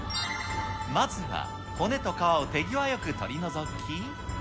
まずは骨と皮を手際よく取り除き。